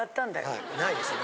はいないですよね。